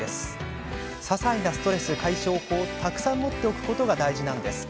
ささいなストレス解消法をたくさん持っておくことが大事なんです。